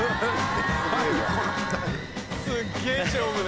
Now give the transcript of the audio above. すっげぇ勝負だ。